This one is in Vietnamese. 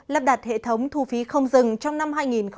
lắp đặt hệ thống thu phí không dừng trong năm hai nghìn hai mươi